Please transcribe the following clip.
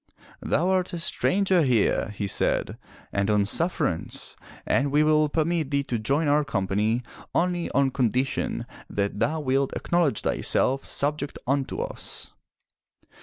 *Thou art a stranger here/' he said, "and on sufferance, and we will permit thee to join our company only on condition that thou wilt acknowledge thyself subject unto us.'